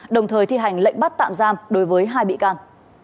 đồng thời thi hành lệnh bắt tạm giam đối với hai bị can